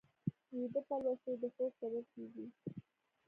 ویده پلوشې د خوب سبب کېږي